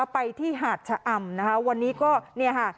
ไปที่หาดชะอำนะคะวันนี้ก็เนี่ยค่ะ